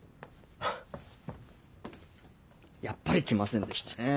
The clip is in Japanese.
やっぱり来ませんでしたね。